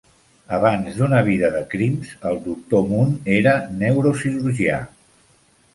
Abans d'una vida de crims, el Doctor Moon era neurocirurgià.